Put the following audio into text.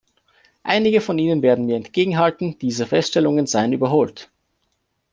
Einige von Ihnen werden mir entgegenhalten, diese Feststellungen seien überholt.